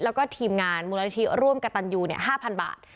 แล้วก็ทีมงานมูลนิธิร่วมกับตันยู๕๐๐บาท